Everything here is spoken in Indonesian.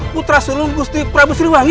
putra sulung gusti prabu sriwangi